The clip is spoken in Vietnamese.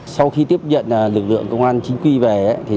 sau khi tiếp nhận lực lượng công an chính quy về